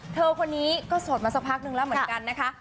เธอคนนี้ก็โสดมาสักพักนึงแล้วเหมือนกันนะคะ